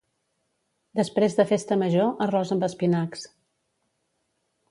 Després de festa major, arròs amb espinacs.